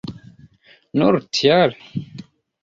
Nur tial?